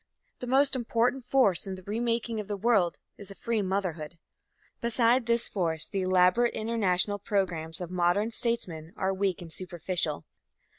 The most important force in the remaking of the world is a free motherhood. Beside this force, the elaborate international programmes of modern statesmen are weak and superficial.